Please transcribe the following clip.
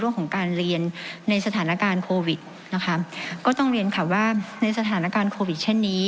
ของการเรียนในสถานการณ์โควิดนะคะก็ต้องเรียนค่ะว่าในสถานการณ์โควิดเช่นนี้